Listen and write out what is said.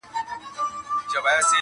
پای لا هم خلاص پاته کيږي,